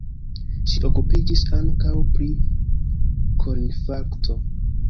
Ŝi okupiĝis ankaŭ pri korinfarkto.